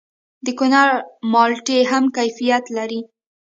د کونړ مالټې هم کیفیت لري.